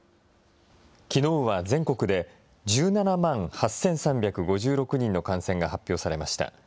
きのうは全国で１７万８３５６人の感染が発表されました。